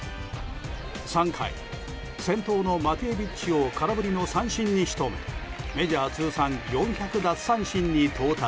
３回、先頭のマティジェビッチを空振りの三振に仕留めメジャー通算４００奪三振に到達。